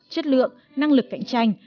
chất lượng năng lực cạnh tranh